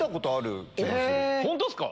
本当っすか！